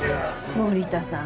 森田さん